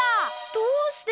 どうして！？